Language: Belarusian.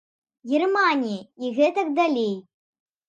Германіі і гэтак далей.